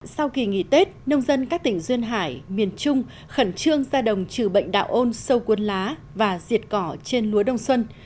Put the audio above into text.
sau kỳ nghỉ tết nông dân các tỉnh duyên hải miền trung khẩn trương ra đồng trừ bệnh đạo ôn sâu cuốn lá và diệt cỏ trên lúa đông xuân